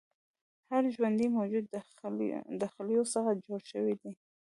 هر ژوندی موجود د خلیو څخه جوړ شوی دی